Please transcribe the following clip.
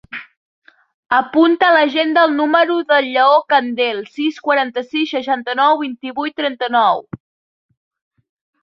Apunta a l'agenda el número del Lleó Candel: sis, quaranta-sis, setanta-nou, vint-i-vuit, trenta-nou.